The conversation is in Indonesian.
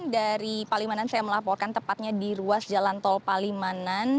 dari palimanan saya melaporkan tepatnya di ruas jalan tol palimanan